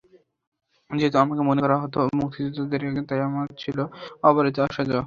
যেহেতু আমাকে মনে করা হতো মুক্তিযোদ্ধাদেরই একজন, তাই আমার ছিল অবারিত আসা-যাওয়া।